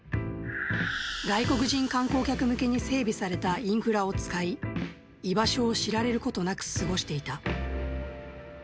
外国人観光客向けに整備されたインフラを使い、居場所を知られることなく過ごしていた。